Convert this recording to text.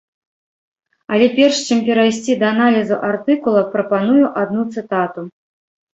Але перш чым перайсці да аналізу артыкула, прапаную адну цытату.